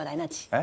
え？